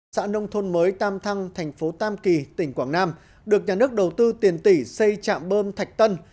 xã nông thôn mới tam thăng thành phố tam kỳ tỉnh quảng nam được nhà nước đầu tư tiền tỷ xây trạm bơm thạch tân